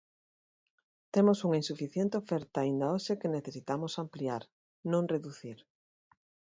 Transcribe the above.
Temos unha insuficiente oferta aínda hoxe que necesitamos ampliar, non reducir.